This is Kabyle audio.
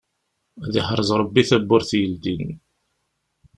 Ad iḥrez Rebbi tawwurt yellin.